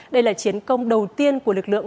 đây là chiến công đầu tiên của lực lượng